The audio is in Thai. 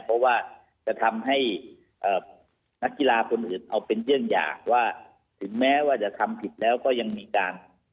เพราะว่าจะทำให้นักกีฬาคนอื่นเอาเป็นเรื่องอย่างว่าถึงแม้ว่าจะทำผิดแล้วก็ยังมีการ